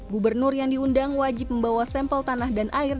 gubernur yang diundang wajib membawa sampel tanah dan air